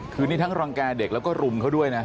คือนี่ทั้งรังแก่เด็กแล้วก็รุมเขาด้วยนะ